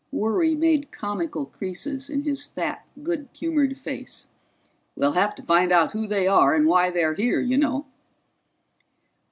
Worry made comical creases in his fat, good humored face. "We'll have to find out who they are and why they're here, you know."